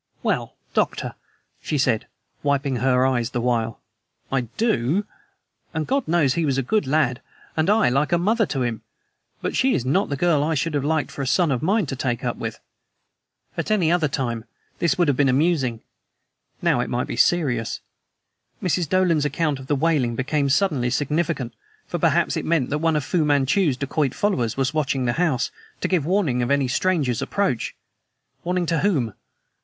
"Well, Doctor," she said, wiping her eyes the while, "I DO. And God knows he was a good lad, and I like a mother to him; but she is not the girl I should have liked a son of mine to take up with." At any other time, this would have been amusing; now, it might be serious. Mrs. Dolan's account of the wailing became suddenly significant, for perhaps it meant that one of Fu Manchu's dacoit followers was watching the house, to give warning of any stranger's approach! Warning to whom?